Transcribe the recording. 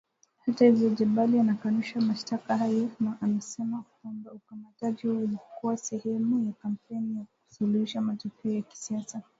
Hata hivyo Jebali anakanusha mashtaka hayo na anasema kwamba ukamataji huo ulikuwa sehemu ya kampeni ya kusuluhisha matokeo ya kisiasa